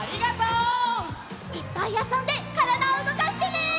いっぱいあそんでからだをうごかしてね！